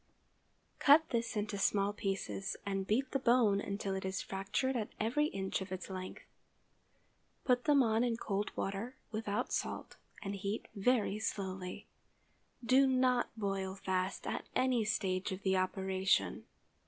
Cut this into small pieces, and beat the bone until it is fractured at every inch of its length. Put them on in cold water, without salt, and heat very slowly. _Do not boil fast at any stage of the operation.